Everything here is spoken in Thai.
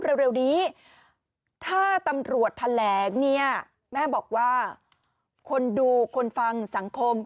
เร็วนี้ถ้าตำรวจแถลงเนี่ยแม่บอกว่าคนดูคนฟังสังคม